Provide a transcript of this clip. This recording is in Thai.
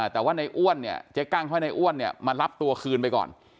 แต่ว่าในอ้วนเนี่ยเจ๊กั้งเขาให้ในอ้วนเนี่ยมารับตัวคืนไปก่อน